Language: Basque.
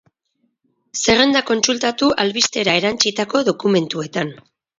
Zerrenda kontsultatu albistera erantsitako dokumentuetan.